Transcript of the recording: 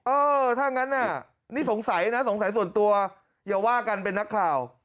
เออถ้างั้นน่ะนี่สงสัยนะสงสัยส่วนตัวอย่าว่ากันเป็นนักข่าว